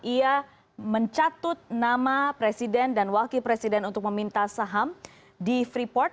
ia mencatut nama presiden dan wakil presiden untuk meminta saham di freeport